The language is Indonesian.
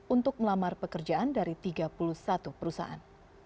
untuk melamar pekerjaan dari tiga puluh satu perusahaan